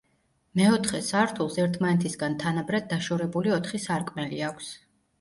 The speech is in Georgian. მეოთხე სართულს ერთმანეთისგან თანაბრად დაშორებული ოთხი სარკმელი აქვს.